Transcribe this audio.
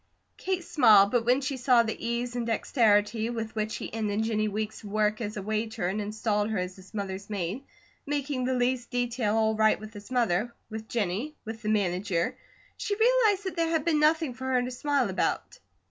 Kate smiled, but when she saw the ease and dexterity with which he ended Jennie Weeks' work as a waiter and installed her as his mother's maid, making the least detail all right with his mother, with Jennie, with the manager, she realized that there had been nothing for her to smile about.